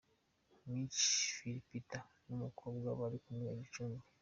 Mc Phil Peter n'umukobwa bari kumwe i Gicumbi.